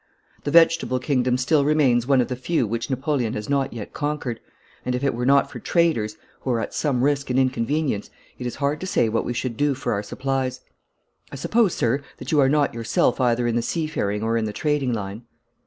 The vegetable kingdom still remains one of the few which Napoleon has not yet conquered, and, if it were not for traders, who are at some risk and inconvenience, it is hard to say what we should do for our supplies. I suppose, sir, that you are not yourself either in the seafaring or in the trading line?'